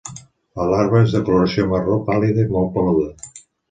La larva és de coloració marró pàl·lida i molt peluda.